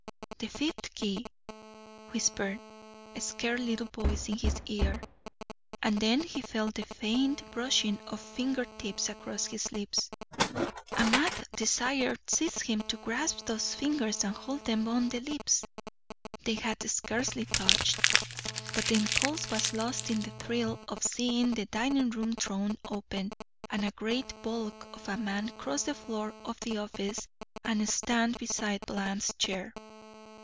"The fifth key," whispered a scared little voice in his ear. And then he felt the faint brushing of finger tips across his lips. A mad desire seized him to grasp those fingers and hold them on the lips they had scarcely touched. But the impulse was lost in the thrill of seeing the dining room door thrown open and a great bulk of a man cross the floor of the office and stand beside Bland's chair.